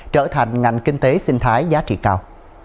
trở thành ngành kinh tế sinh thái giá trị cao